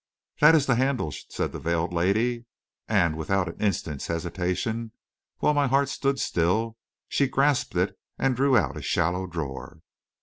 "That is the handle," said the veiled lady, and, without an instant's hesitation, while my heart stood still, she grasped it and drew out a shallow drawer.